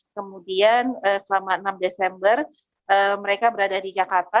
kemudian selama enam desember mereka berada di jakarta